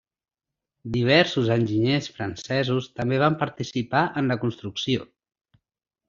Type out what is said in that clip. Diversos enginyers francesos també van participar en la construcció.